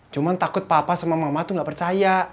cuma takut papa sama mama tuh gak percaya